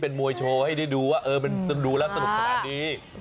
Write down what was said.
เป็นมวยศรีสรรค์มวยโชว์